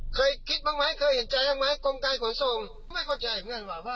เคยคิดบ้างไหมเคยเห็นใจบ้างไหมกรมการขนส่งไม่เข้าใจเหมือนกันว่า